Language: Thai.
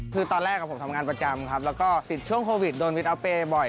คือตอนแรกผมทำงานประจำครับแล้วก็ติดช่วงโควิดโดนวิทอัพเปย์บ่อย